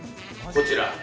こちら？